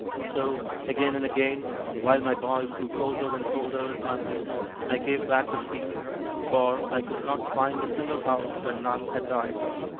So, again and again, while my boy grew colder and colder at my bosom, I gave back the seed, for I could not find a single house where none had died.